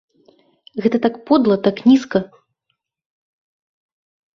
Гэта так подла, так нізка!